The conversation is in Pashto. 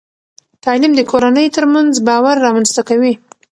تعلیم د کورنۍ ترمنځ باور رامنځته کوي.